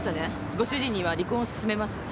ご主人には離婚を勧めます。